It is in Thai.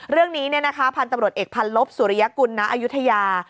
เรื่องนี้เนี่ยนะคะพันตำรวจเอกพันลบสุริยกุลณอายุทยา